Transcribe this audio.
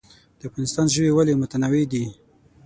د افغانستان ژوي ولې متنوع دي؟